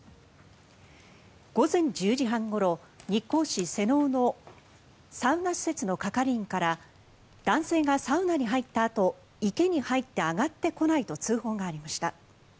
午前１０時半ごろ、日光市瀬尾のサウナ施設の係員から男性がサウナに入ったあと池に入って上がってこないと通報がありました。